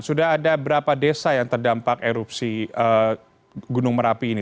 sudah ada berapa desa yang terdampak erupsi gunung merapi ini